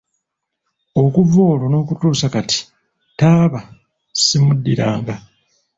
Okuva olwo n'okutuusa kati taaba simuddiranga.